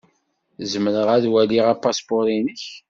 Zemreɣ ad waliɣ apaspuṛ-nnek?